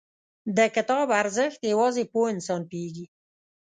• د کتاب ارزښت، یوازې پوه انسان پوهېږي.